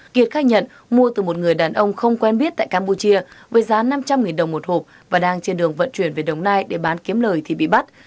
kiệt khai nhận mua từ một người đàn ông không quen biết tại campuchia với giá năm trăm linh đồng một hộp và đang trên đường vận chuyển về đồng nai để bán kiếm lời thì bị bắt